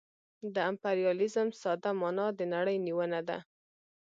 د امپریالیزم ساده مانا د نړۍ نیونه ده